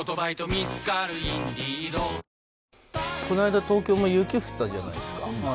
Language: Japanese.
この間東京も雪降ったじゃないですか。